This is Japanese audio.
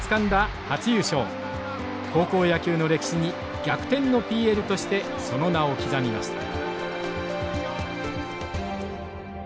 高校野球の歴史に逆転のＰＬとしてその名を刻みました。